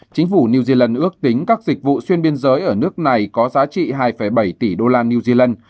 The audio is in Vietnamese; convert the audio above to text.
chính phủ new zealand ước tính các dịch vụ xuyên biên giới ở nước này có giá trị hai bảy tỷ đô la new zealand